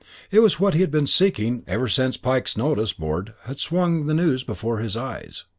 It was what he had been seeking ever since Pike's notice board had swung the news before his eyes.